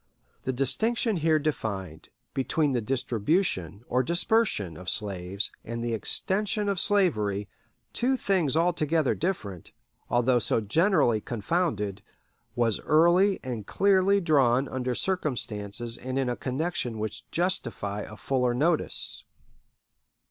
The distinction here defined between the distribution, or dispersion, of slaves and the extension of slavery two things altogether different, although so generally confounded was early and clearly drawn under circumstances and in a connection which justify a fuller notice.